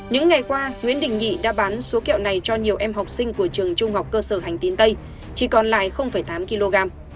những ngày qua nguyễn đình nghị đã bán số kẹo này cho nhiều em học sinh của trường trung học cơ sở hành tín tây chỉ còn lại tám kg